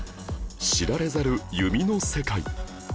知られざる弓の世界